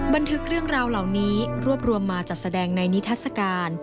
บันทึกเรื่องราวเหล่านี้รวบรวมมาจัดแสดงในนิทัศกาล